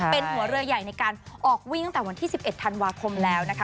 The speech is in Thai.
เป็นหัวเรือใหญ่ในการออกวิ่งตั้งแต่วันที่๑๑ธันวาคมแล้วนะคะ